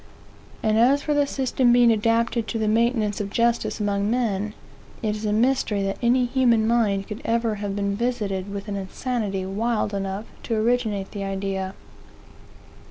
And as for the system being adapted to the maintenance of justice among men, it is a mystery that any human mind could ever have been visited with an insanity wild enough to originate the idea.